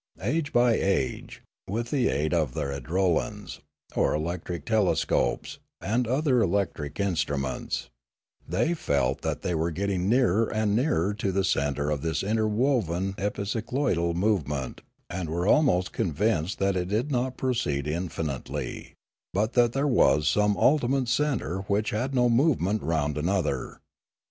Age by age, with the aid of their idrolans or electric telescopes, and other electric instruments, they felt that they were getting nearer and nearer to the centre of this interwoven epicycloidal movement and were almost convinced that it did not proceed in finitely, but that there was some ultimate centre which had no movement round another.